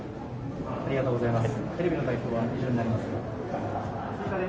ありがとうございます。